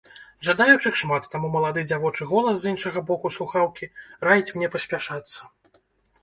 Жадаючых шмат, таму малады дзявочы голас з іншага боку слухаўкі раіць мне паспяшацца.